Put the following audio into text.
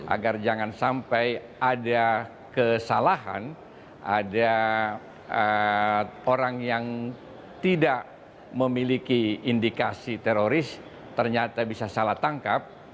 agar jangan sampai ada kesalahan ada orang yang tidak memiliki indikasi teroris ternyata bisa salah tangkap